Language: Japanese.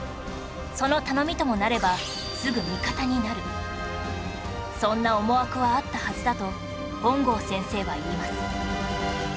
その頼みともなればそんな思惑はあったはずだと本郷先生は言います